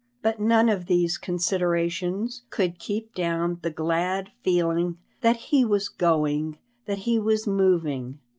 But none of these considerations could keep down the glad feeling that he was going, that he was moving.